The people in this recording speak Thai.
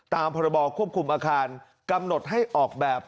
พรบควบคุมอาคารกำหนดให้ออกแบบ